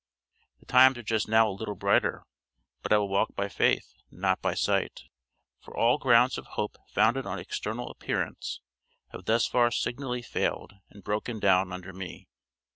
The times are just now a little brighter; but I will walk by faith, not by sight, for all grounds of hope founded on external appearance, have thus far signally failed and broken down under me.